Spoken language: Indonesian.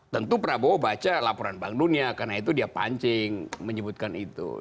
tentu prabowo baca laporan bank dunia karena itu dia pancing menyebutkan itu